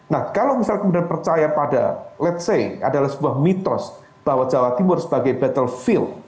nah kalau misal kemudian percaya pada ⁇ lets ⁇ say adalah sebuah mitos bahwa jawa timur sebagai battlefield